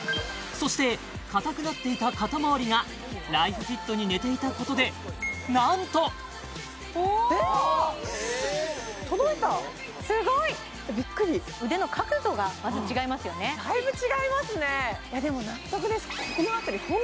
そして硬くなっていた肩周りがライフフィットに寝ていたことでなんと届いたびっくりすごい腕の角度がまず違いますよねだいぶ違いますねでも納得です